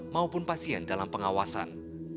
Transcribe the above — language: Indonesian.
maupun pasien dalam pengawasan